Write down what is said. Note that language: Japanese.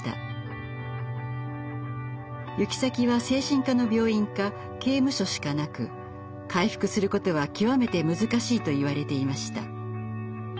行く先は精神科の病院か刑務所しかなく回復することは極めて難しいといわれていました。